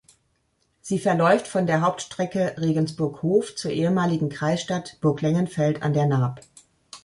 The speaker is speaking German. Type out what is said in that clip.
Sie verläuft von der Hauptstrecke Regensburg–Hof zur ehemaligen Kreisstadt Burglengenfeld an der Naab.